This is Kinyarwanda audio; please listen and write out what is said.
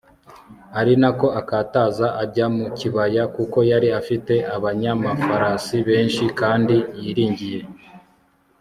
ari na ko akataza ajya mu kibaya kuko yari afite abanyamafarasi benshi kandi yiringiye